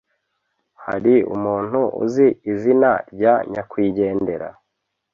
Hari umuntu uzi izina rya nyakwigendera?